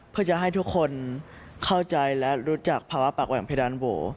เพื่อจะให้ทุกคนเข้าใจและรู้จักภาวะปากแหว่งเพดานโห